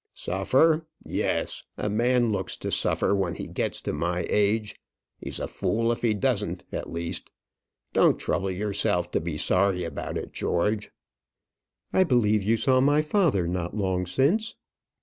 "Suffer, yes; a man looks to suffer when he gets to my age. He's a fool if he doesn't, at least. Don't trouble yourself to be sorry about it, George." "I believe you saw my father not long since?"